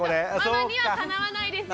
ママにはかなわないですよ。